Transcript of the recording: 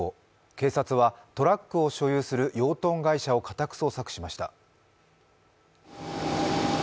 警察はトラックを所有する養豚会社を家宅捜索しました。